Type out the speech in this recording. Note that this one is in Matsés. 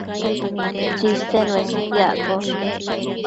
Tsisen uesquiaccosh